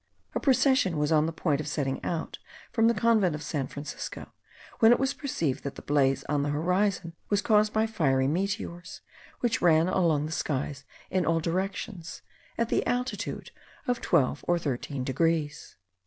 A procession was on the point of setting out from the convent of San Francisco, when it was perceived that the blaze on the horizon was caused by fiery meteors, which ran along the skies in all directions, at the altitude of twelve or thirteen degrees.